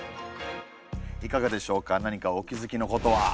いかがでしょうか何かお気付きのことは？